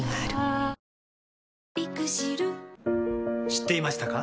知っていましたか？